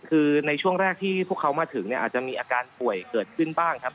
คือในช่วงแรกที่พวกเขามาถึงเนี่ยอาจจะมีอาการป่วยเกิดขึ้นบ้างครับ